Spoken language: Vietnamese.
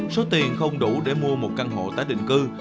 số tiền không đủ để mua một căn hộ tái định cư